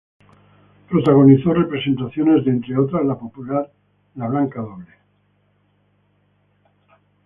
Protagonizó representaciones de, entre otras, la popular "La blanca doble".